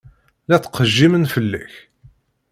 La ttqejjimen fell-ak.